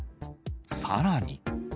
さらに。